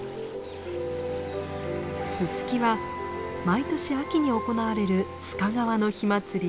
ススキは毎年秋に行われる須賀川の火祭り